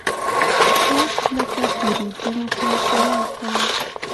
وخت لکه تېرېدونکې سیلاب دی.